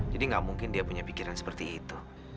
jadi enggak mungkin dia punya pikiran seperti itu